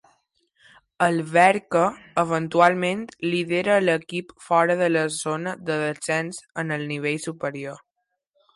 Alverca, eventualment lidera a l'equip fora de la zona de descens en el nivell superior.